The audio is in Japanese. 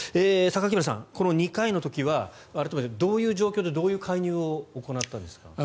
榊原さん、この２回の時は改めてどういう状況でどういう介入を行ったんですか？